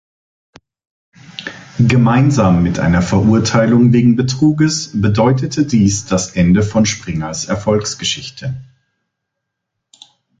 Gemeinsam mit einer Verurteilung wegen Betruges bedeutete dies das Ende von Springers Erfolgsgeschichte.